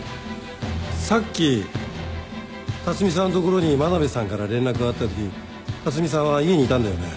さっき辰巳さんの所に真鍋さんから連絡があったとき辰巳さんは家にいたんだよね？